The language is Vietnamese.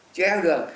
chữa heo đường